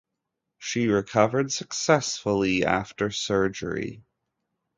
She recovered successfully after surgery.